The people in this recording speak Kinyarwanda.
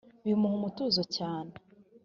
bimuha umutuzo cyane.